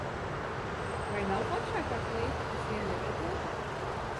Vai nav foršākā kleita, kas vien ir redzēta?